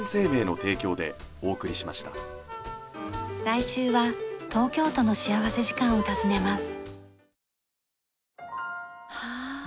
来週は東京都の幸福時間を訪ねます。